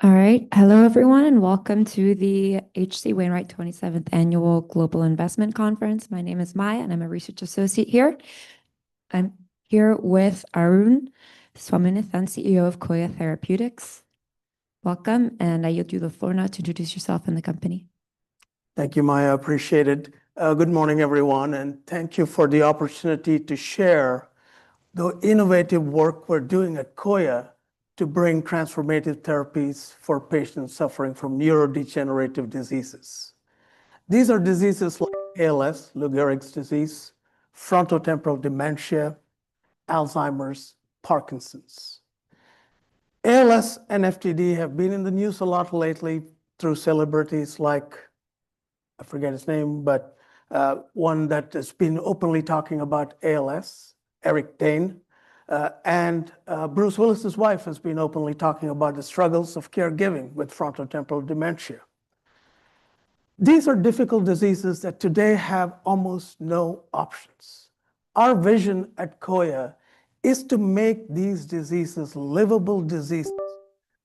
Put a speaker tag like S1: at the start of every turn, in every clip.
S1: All right, hello everyone, and welcome to the H.C. Wainwright 27th Annual Global Investment Conference. My name is Maya, and I'm a research associate here. I'm here with Arun Swaminathan, CEO of Coya Therapeutics. Welcome, and I yield you the floor now to introduce yourself and the company.
S2: Thank you, Maya. Appreciate it. Good morning, everyone, and thank you for the opportunity to share the innovative work we're doing at Coya to bring transformative therapies for patients suffering from neurodegenerative diseases. These are diseases like ALS, Lou Gehrig's disease, frontotemporal dementia, Alzheimer's, Parkinson's. ALS and FTD have been in the news a lot lately through celebrities like, I forget his name, but one that has been openly talking about ALS, Eric Dane, and Bruce Willis' wife has been openly talking about the struggles of caregiving with frontotemporal dementia. These are difficult diseases that today have almost no options. Our vision at Coya is to make these diseases livable diseases,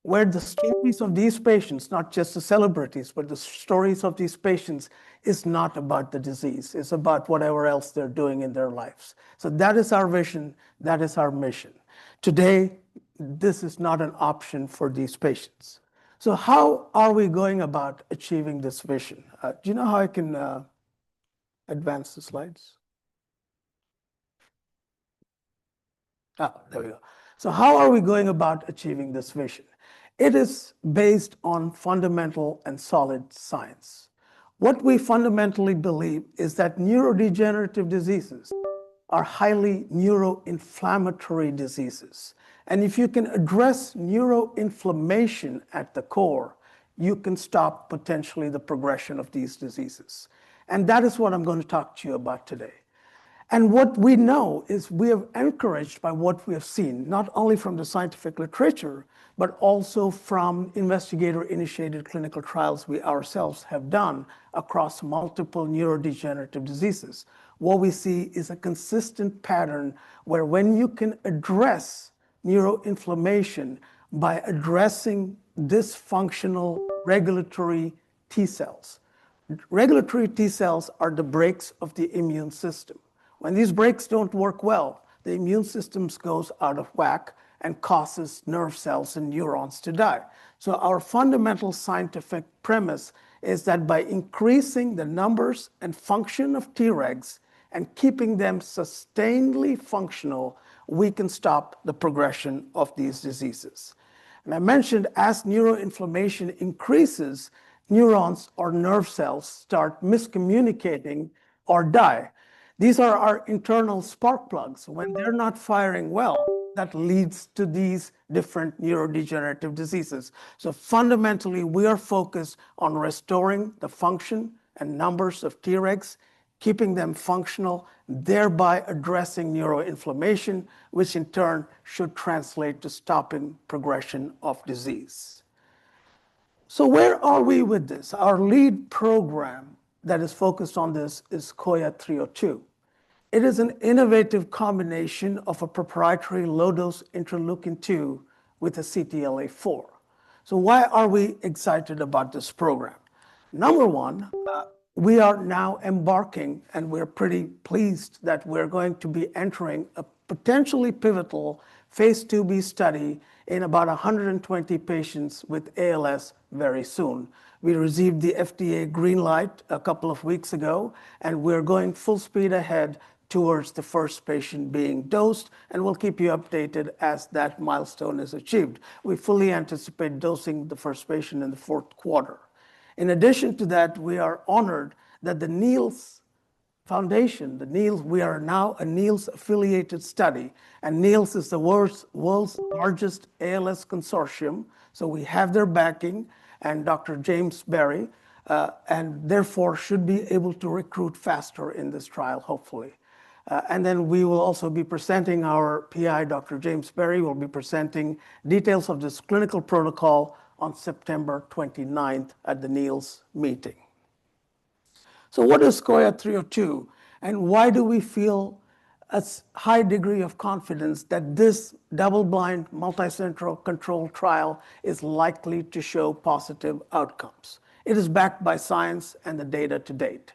S2: where the stories of these patients, not just the celebrities, but the stories of these patients are not about the disease, it's about whatever else they're doing in their lives. So that is our vision. That is our mission. Today, this is not an option for these patients, so how are we going about achieving this vision? Do you know how I can advance the slides? Oh, there we go, so how are we going about achieving this vision? It is based on fundamental and solid science. What we fundamentally believe is that neurodegenerative diseases are highly neuroinflammatory diseases, and if you can address neuroinflammation at the core, you can stop potentially the progression of these diseases, and that is what I'm going to talk to you about today, and what we know is we are encouraged by what we have seen, not only from the scientific literature, but also from investigator-initiated clinical trials we ourselves have done across multiple neurodegenerative diseases. What we see is a consistent pattern where when you can address neuroinflammation by addressing dysfunctional regulatory T cells. Regulatory T cells are the brakes of the immune system. When these brakes don't work well, the immune system goes out of whack and causes nerve cells and neurons to die. So our fundamental scientific premise is that by increasing the numbers and function of Tregs and keeping them sustainedly functional, we can stop the progression of these diseases. And I mentioned as neuroinflammation increases, neurons or nerve cells start miscommunicating or die. These are our internal spark plugs. When they're not firing well, that leads to these different neurodegenerative diseases. So fundamentally, we are focused on restoring the function and numbers of Tregs, keeping them functional, thereby addressing neuroinflammation, which in turn should translate to stopping progression of disease. So where are we with this? Our lead program that is focused on this is Coya 302. It is an innovative combination of a proprietary low-dose interleukin-2 with a CTLA-4. So why are we excited about this program? Number one, we are now embarking, and we're pretty pleased that we're going to be entering a potentially pivotal phase IIB study in about 120 patients with ALS very soon. We received the FDA green light a couple of weeks ago, and we're going full speed ahead towards the first patient being dosed, and we'll keep you updated as that milestone is achieved. We fully anticipate dosing the first patient in the fourth quarter. In addition to that, we are honored that the NEALS Foundation, the NEALS, we are now a NEALS-affiliated study, and NEALS is the world's largest ALS consortium, so we have their backing and Dr. James Berry, and therefore should be able to recruit faster in this trial, hopefully. And then we will also be presenting our PI, Dr. James Berry, who will be presenting details of this clinical protocol on September 29th at the NEALS meeting. So what is Coya 302? And why do we feel a high degree of confidence that this double-blind multicenter controlled trial is likely to show positive outcomes? It is backed by science and the data to date.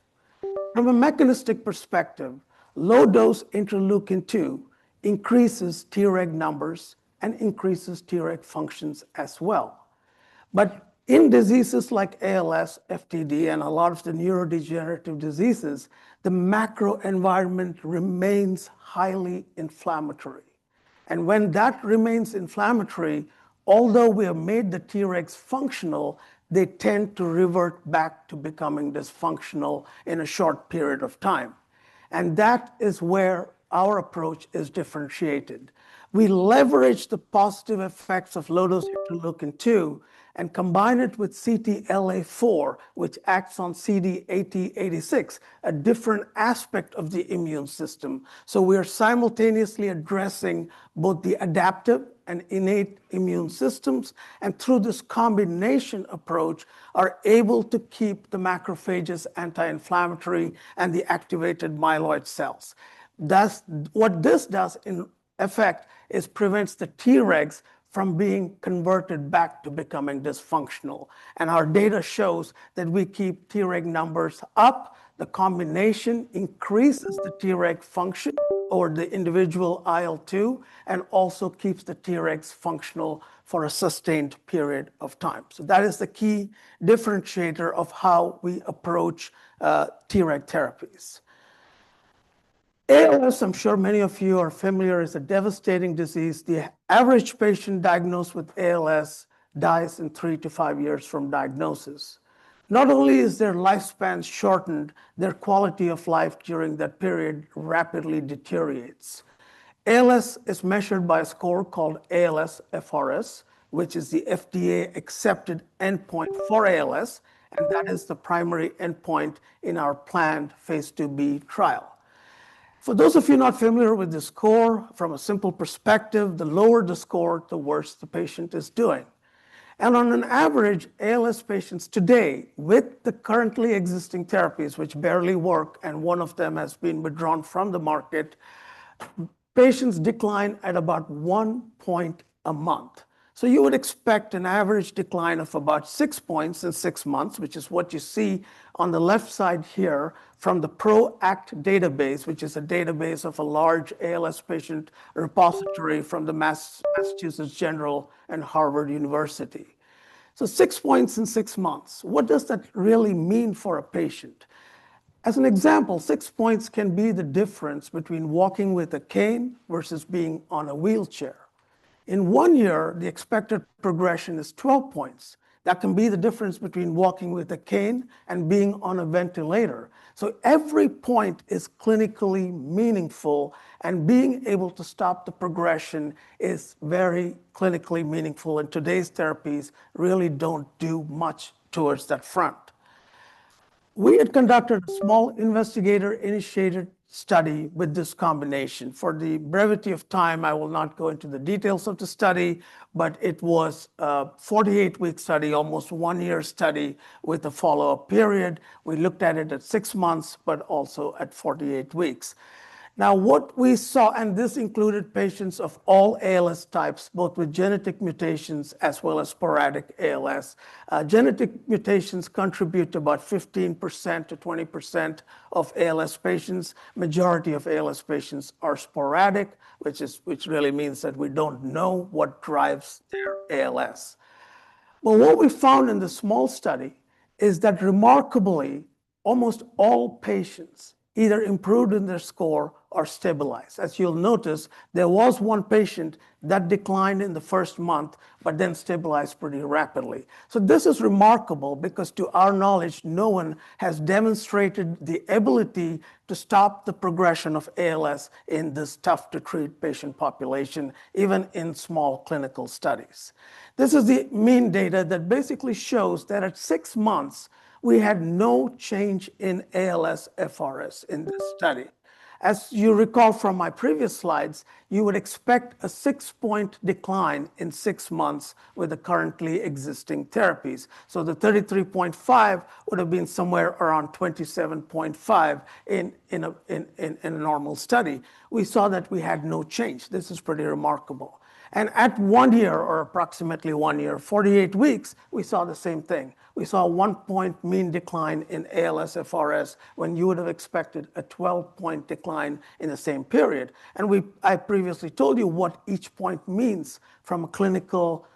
S2: From a mechanistic perspective, low-dose interleukin-2 increases Treg numbers and increases Treg functions as well. But in diseases like ALS, FTD, and a lot of the neurodegenerative diseases, the microenvironment remains highly inflammatory. And when that remains inflammatory, although we have made the Tregs functional, they tend to revert back to becoming dysfunctional in a short period of time. And that is where our approach is differentiated. We leverage the positive effects of low-dose interleukin-2 and combine it with CTLA-4, which acts on CD80/86, a different aspect of the immune system. So we are simultaneously addressing both the adaptive and innate immune systems, and through this combination approach, are able to keep the macrophages anti-inflammatory and the activated myeloid cells. What this does in effect is prevents the Tregs from being converted back to becoming dysfunctional. Our data shows that we keep Treg numbers up, the combination increases the Treg function or the individual IL-2, and also keeps the Tregs functional for a sustained period of time. So that is the key differentiator of how we approach Treg therapies. ALS, I'm sure many of you are familiar, is a devastating disease. The average patient diagnosed with ALS dies in three to five years from diagnosis. Not only is their lifespan shortened. Their quality of life during that period rapidly deteriorates. ALS is measured by a score called ALS-FRS, which is the FDA-accepted endpoint for ALS, and that is the primary endpoint in our planned phase IIB trial. For those of you not familiar with the score, from a simple perspective, the lower the score, the worse the patient is doing. On average, ALS patients today, with the currently existing therapies which barely work, and one of them has been withdrawn from the market, patients decline at about one point a month. You would expect an average decline of about six points in six months, which is what you see on the left side here from the PRO-ACT Database, which is a database of a large ALS patient repository from the Massachusetts General and Harvard University. Six points in six months, what does that really mean for a patient? As an example, six points can be the difference between walking with a cane versus being on a wheelchair. In one year, the expected progression is 12 points. That can be the difference between walking with a cane and being on a ventilator. Every point is clinically meaningful, and being able to stop the progression is very clinically meaningful, and today's therapies really don't do much towards that front. We had conducted a small investigator-initiated study with this combination. For the brevity of time, I will not go into the details of the study, but it was a 48-week study, almost one-year study with a follow-up period. We looked at it at six months, but also at 48 weeks. Now, what we saw, and this included patients of all ALS types, both with genetic mutations as well as sporadic ALS. Genetic mutations contribute to about 15%-20% of ALS patients. The majority of ALS patients are sporadic, which really means that we don't know what drives their ALS. But what we found in the small study is that remarkably, almost all patients either improved in their score or stabilized. As you'll notice, there was one patient that declined in the first month, but then stabilized pretty rapidly. So this is remarkable because to our knowledge, no one has demonstrated the ability to stop the progression of ALS in this tough-to-treat patient population, even in small clinical studies. This is the main data that basically shows that at six months, we had no change in ALS-FRS in this study. As you recall from my previous slides, you would expect a six-point decline in six months with the currently existing therapies. So the 33.5 would have been somewhere around 27.5 in a normal study. We saw that we had no change. This is pretty remarkable. And at one year or approximately one year, 48 weeks, we saw the same thing. We saw a one-point mean decline in ALS-FRS when you would have expected a 12-point decline in the same period. And I previously told you what each point means from a clinical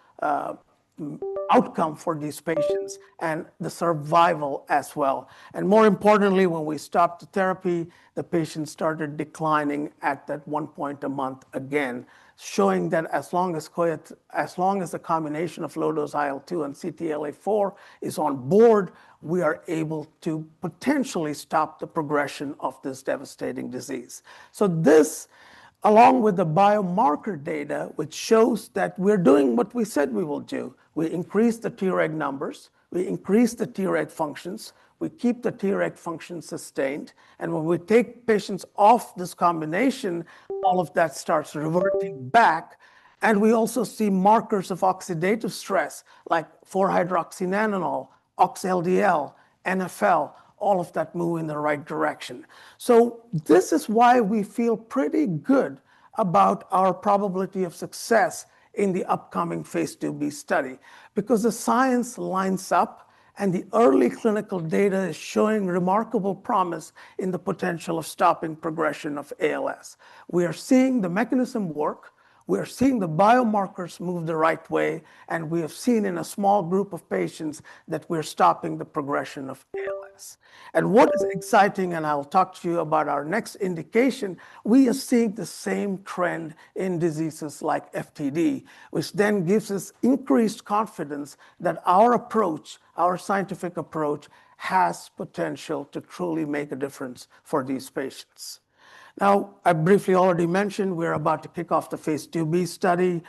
S2: outcome for these patients and the survival as well. And more importantly, when we stopped the therapy, the patients started declining at that one point a month again, showing that as long as the combination of low-dose IL-2 and CTLA-4 is on board, we are able to potentially stop the progression of this devastating disease. So this, along with the biomarker data, which shows that we're doing what we said we will do. We increase the Treg numbers, we increase the Treg functions, we keep the Treg function sustained, and when we take patients off this combination, all of that starts reverting back. And we also see markers of oxidative stress, like 4-Hydroxynonenal, ox-LDL, NfL, all of that move in the right direction. So this is why we feel pretty good about our probability of success in the upcoming phase IIB study, because the science lines up and the early clinical data is showing remarkable promise in the potential of stopping progression of ALS. We are seeing the mechanism work, we are seeing the biomarkers move the right way, and we have seen in a small group of patients that we're stopping the progression of ALS. And what is exciting, and I'll talk to you about our next indication, we are seeing the same trend in diseases like FTD, which then gives us increased confidence that our approach, our scientific approach, has potential to truly make a difference for these patients. Now, I briefly already mentioned we're about to kick off the phase IIB study.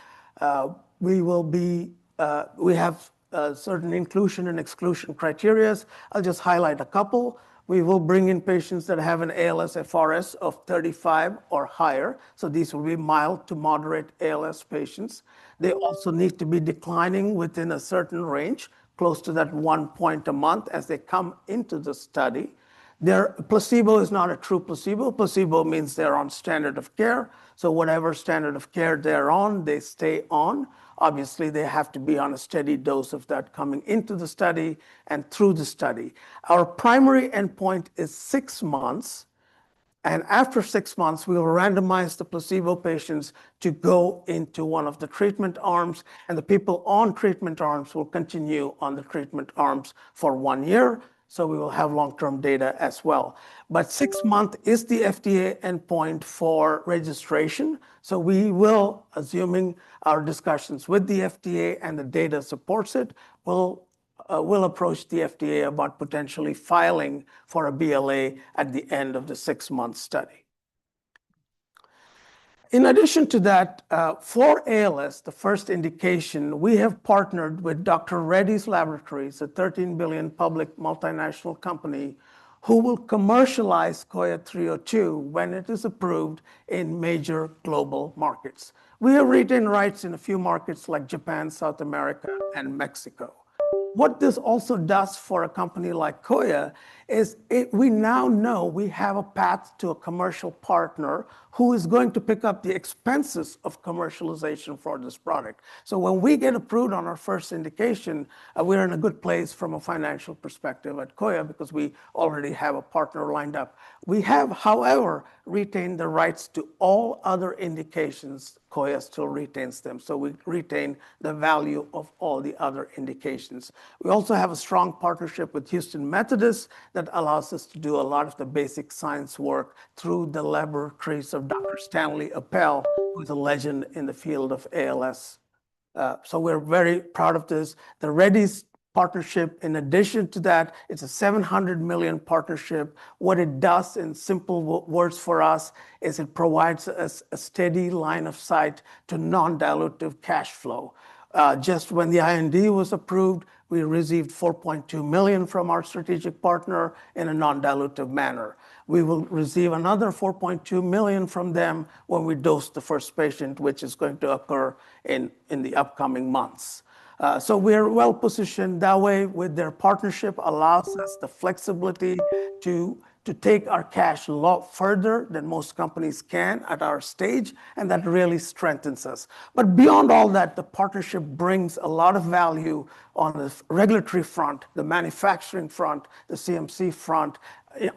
S2: We have certain inclusion and exclusion criteria. I'll just highlight a couple. We will bring in patients that have an ALS-FRS of 35 or higher. So these will be mild to moderate ALS patients. They also need to be declining within a certain range, close to that one point a month as they come into the study. Their placebo is not a true placebo. Placebo means they're on standard of care. So whatever standard of care they're on, they stay on. Obviously, they have to be on a steady dose of that coming into the study and through the study. Our primary endpoint is six months, and after six months, we will randomize the placebo patients to go into one of the treatment arms, and the people on treatment arms will continue on the treatment arms for one year, so we will have long-term data as well, but six months is the FDA endpoint for registration, so we will, assuming our discussions with the FDA and the data supports it, we'll approach the FDA about potentially filing for a BLA at the end of the six-month study. In addition to that, for ALS, the first indication, we have partnered with Dr. Reddy's Laboratories, a $13 billion public multinational company who will commercialize Coya 302 when it is approved in major global markets. We have written rights in a few markets like Japan, South America, and Mexico. What this also does for a company like Coya is we now know we have a path to a commercial partner who is going to pick up the expenses of commercialization for this product. So when we get approved on our first indication, we're in a good place from a financial perspective at Coya because we already have a partner lined up. We have, however, retained the rights to all other indications. Coya still retains them. So we retain the value of all the other indications. We also have a strong partnership with Houston Methodist that allows us to do a lot of the basic science work through the laboratories of Dr. Stanley Appel, who is a legend in the field of ALS. So we're very proud of this. Dr. Reddy's partnership, in addition to that, it's a $700 million partnership. What it does in simple words for us is it provides us a steady line of sight to non-dilutive cash flow. Just when the IND was approved, we received $4.2 million from our strategic partner in a non-dilutive manner. We will receive another $4.2 million from them when we dose the first patient, which is going to occur in the upcoming months. So we are well positioned that way with their partnership, allows us the flexibility to take our cash a lot further than most companies can at our stage, and that really strengthens us. But beyond all that, the partnership brings a lot of value on the regulatory front, the manufacturing front, the CMC front,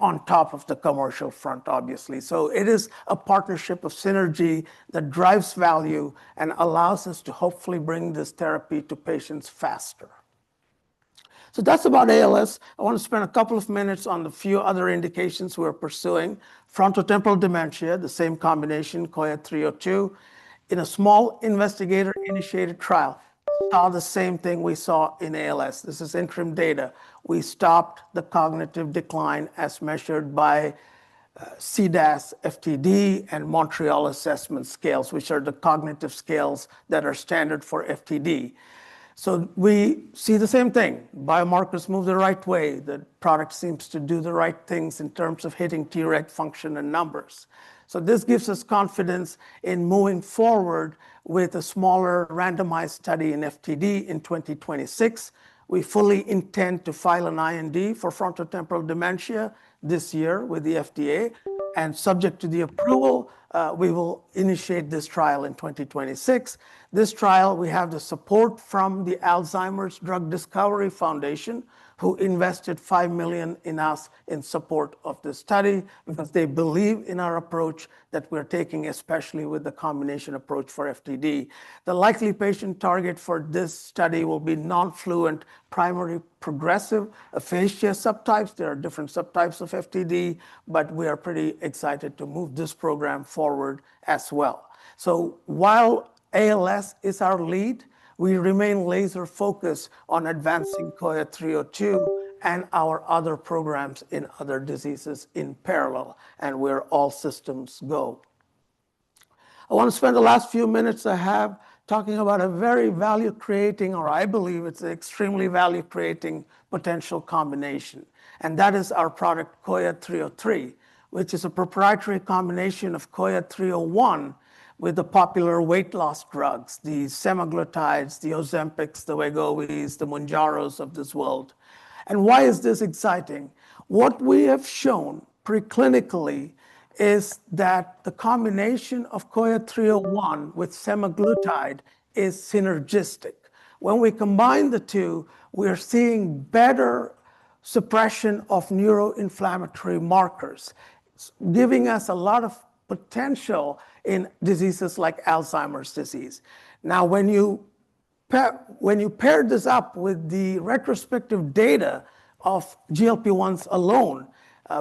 S2: on top of the commercial front, obviously. So it is a partnership of synergy that drives value and allows us to hopefully bring this therapy to patients faster. So that's about ALS. I want to spend a couple of minutes on the few other indications we're pursuing. Frontotemporal dementia, the same combination, Coya 302, in a small investigator-initiated trial, saw the same thing we saw in ALS. This is interim data. We stopped the cognitive decline as measured by CDAS, FTD, and Montreal assessment scales, which are the cognitive scales that are standard for FTD. So we see the same thing. Biomarkers move the right way. The product seems to do the right things in terms of hitting Treg function and numbers. So this gives us confidence in moving forward with a smaller randomized study in FTD in 2026. We fully intend to file an IND for frontotemporal dementia this year with the FDA. Subject to the approval, we will initiate this trial in 2026. This trial, we have the support from the Alzheimer's Drug Discovery Foundation, who invested $5 million in us in support of this study because they believe in our approach that we're taking, especially with the combination approach for FTD. The likely patient target for this study will be non-fluent primary progressive aphasia subtypes. There are different subtypes of FTD, but we are pretty excited to move this program forward as well. So while ALS is our lead, we remain laser-focused on advancing Coya 302 and our other programs in other diseases in parallel, and we're all systems go. I want to spend the last few minutes I have talking about a very value-creating, or I believe it's an extremely value-creating potential combination. That is our product, Coya 303, which is a proprietary combination of Coya 301 with the popular weight loss drugs, the semaglutides, the Ozempics, the Wegovys, the Mounjaros of this world. Why is this exciting? What we have shown preclinically is that the combination of Coya 301 with semaglutide is synergistic. When we combine the two, we are seeing better suppression of neuroinflammatory markers, giving us a lot of potential in diseases like Alzheimer's disease. Now, when you pair this up with the retrospective data of GLP-1s alone,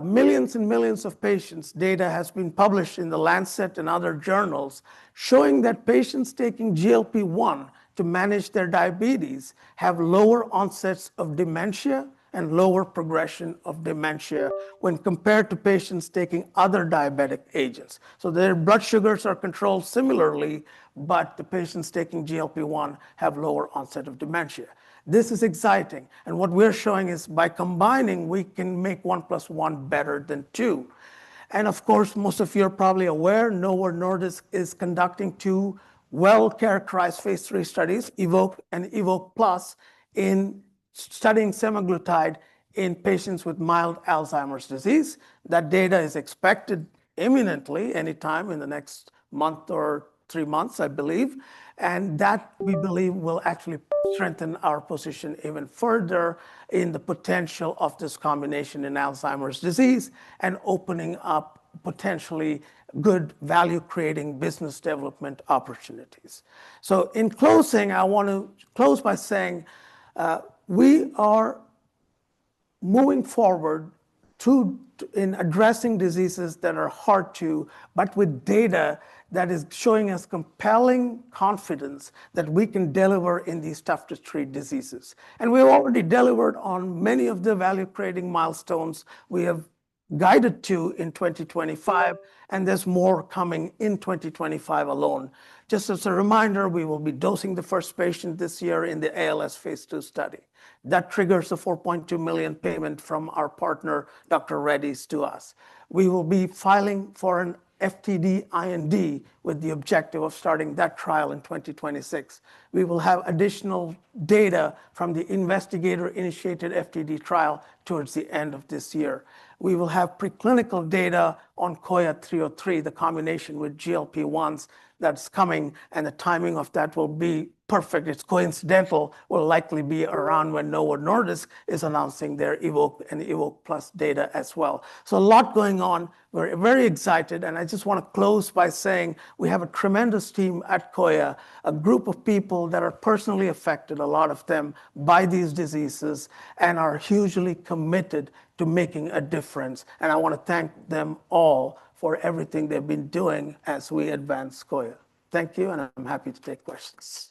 S2: millions and millions of patients' data has been published in the Lancet and other journals showing that patients taking GLP-1 to manage their diabetes have lower onsets of dementia and lower progression of dementia when compared to patients taking other diabetic agents. Their blood sugars are controlled similarly, but the patients taking GLP-1 have lower onset of dementia. This is exciting. And what we're showing is by combining, we can make one plus one better than two. And of course, most of you are probably aware, Novo Nordisk is conducting two well-characterized phase III studies, EVOKE and EVOKE+, in studying semaglutide in patients with mild Alzheimer's disease. That data is expected imminently, anytime in the next month or three months, I believe. And that, we believe, will actually strengthen our position even further in the potential of this combination in Alzheimer's disease and opening up potentially good value-creating business development opportunities. So in closing, I want to close by saying we are moving forward in addressing diseases that are hard to, but with data that is showing us compelling confidence that we can deliver in these tough-to-treat diseases. We've already delivered on many of the value-creating milestones we have guided to in 2025, and there's more coming in 2025 alone. Just as a reminder, we will be dosing the first patient this year in the ALS phase II study. That triggers a $4.2 million payment from our partner, Dr. Reddy's, to us. We will be filing for an FTD IND with the objective of starting that trial in 2026. We will have additional data from the investigator-initiated FTD trial towards the end of this year. We will have preclinical data on Coya 303, the combination with GLP-1s that's coming, and the timing of that will be perfect. It's coincidental. We'll likely be around when Novo Nordisk is announcing their EVOKE and EVOKE+ data as well. A lot going on. We're very excited. And I just want to close by saying we have a tremendous team at Coya, a group of people that are personally affected, a lot of them, by these diseases and are hugely committed to making a difference. And I want to thank them all for everything they've been doing as we advance Coya. Thank you, and I'm happy to take questions.